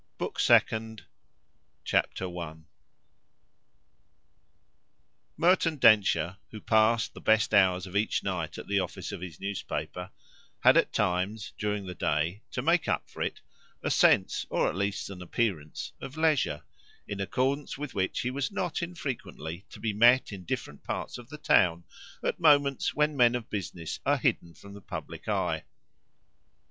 Book Second, Chapter 1 Merton Densher, who passed the best hours of each night at the office of his newspaper, had at times, during the day, to make up for it, a sense, or at least an appearance, of leisure, in accordance with which he was not infrequently to be met in different parts of the town at moments when men of business are hidden from the public eye.